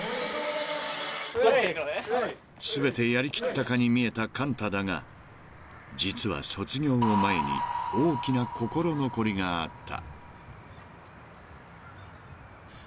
［全てやり切ったかに見えた寛太だが実は卒業を前に大きな心残りがあった］